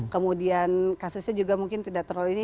kemudian kasusnya juga mungkin tidak terlalu ini